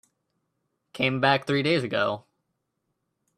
Came back three days ago.